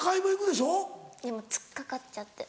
でも突っ掛かっちゃって。